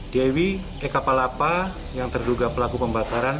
diy eka palapa yang terduga pelaku pembakaran